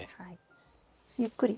ゆっくり。